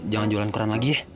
jangan jualan koran lagi